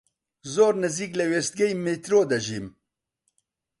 زۆر نزیک لە وێستگەی میترۆ دەژیم.